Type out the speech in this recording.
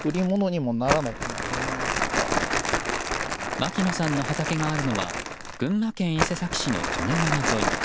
牧野さんの畑があるのは群馬県伊勢崎市の利根川沿い。